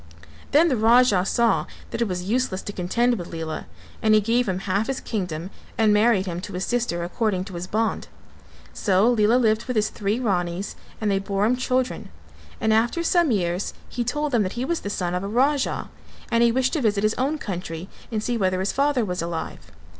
Then the Raja saw that it was useless to contend with Lela, and he gave him half his kingdom and married him to his sister according to his bond. So Lela lived with his three Ranis and they bore him children and after some years he told them that he was the son of a Raja and he wished to visit his own country and see whether his father was alive.